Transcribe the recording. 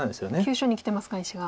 急所にきてますか石が。